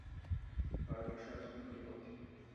پارون ښار څومره لوړ دی؟